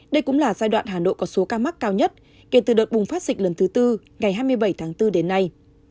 đây cũng là giai đoạn hà nội có số ca mắc cao nhất kể từ đợt bùng phát dịch lần thứ tư ngày hai mươi bảy tháng bốn đến nay